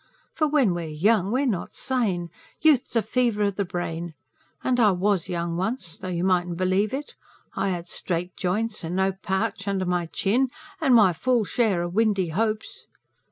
For when we're young, we're not sane. Youth's a fever o' the brain. And I WAS young once, though you mightn't believe it; I had straight joints, and no pouch under my chin, and my full share o' windy hopes.